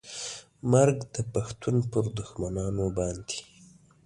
مرګ د پښتون پر دښمنانو باندې